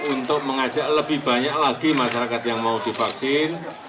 untuk mengajak lebih banyak lagi masyarakat yang mau divaksin